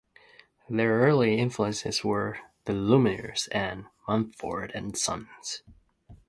Their early influences were The Lumineers and Mumford and Sons.